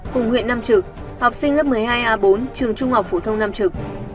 cùng huyện nam trực học sinh lớp một mươi hai a bốn trường trung học phổ thông nam trực